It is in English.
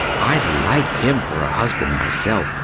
I'd like him for a husband myself.